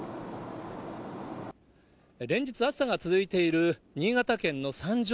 連日、暑さが続いている新潟県の三条